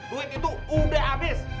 duit itu udah habis